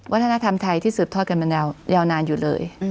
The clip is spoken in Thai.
วัฒนธรรมไทยที่สืบทอดกันมายาวนานอยู่เลย